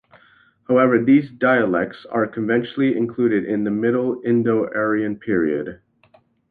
However, these dialects are conventionally included in the Middle Indo-Aryan period.